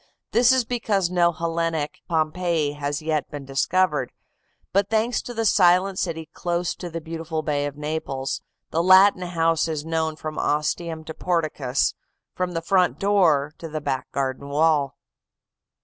This is because no Hellenic Pompeii has yet been discovered, but thanks to the silent city close to the beautiful Bay of Naples, the Latin house is known from ostium to porticus, from the front door to the back garden wall.